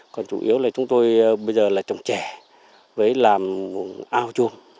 còn chủ yếu là chúng tôi bây giờ là trồng trẻ với làm ao chôm